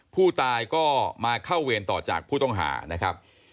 ผู้ตายก็มาเข้าเวรต่อจากผู้ต้องหานะครับ